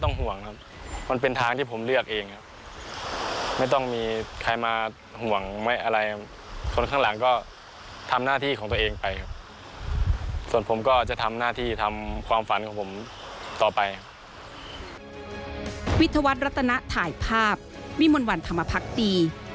ต่อไป